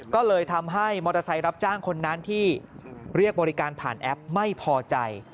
ก็เลยทำให้มอเตอร์ไซค์รับจ้างคนนั้นที่เรียกบริการผ่านแอปไม่พอใจ